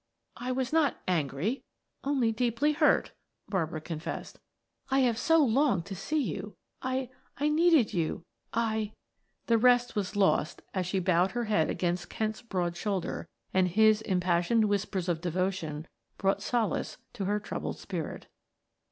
"I was not angry, only deeply hurt," Barbara confessed. "I have so longed to see you. I I needed you! I " The rest was lost as she bowed her head against Kent's broad shoulder, and his impassioned whispers of devotion brought solace to her troubled spirit.